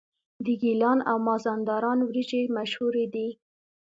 د ګیلان او مازندران وریجې مشهورې دي.